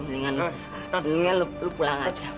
mendingan lu pulang aja